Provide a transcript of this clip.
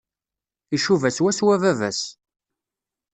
Icuba swaswa baba-s.